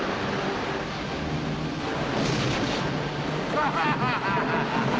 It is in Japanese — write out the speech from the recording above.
ハハハハ！